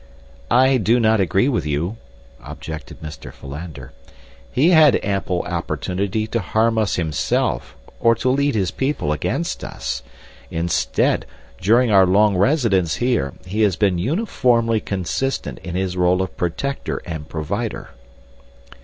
"I do not agree with you," objected Mr. Philander. "He had ample opportunity to harm us himself, or to lead his people against us. Instead, during our long residence here, he has been uniformly consistent in his role of protector and provider."